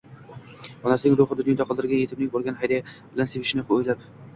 onasining ruhi dunyoda qoldirgan yetimidan borgan hadya bilan sevinishini o'ylab